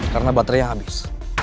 karena baterai yang habis